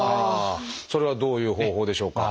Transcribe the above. それはどういう方法でしょうか？